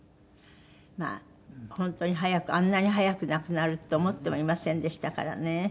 まあ本当に早くあんなに早く亡くなると思ってもいませんでしたからね。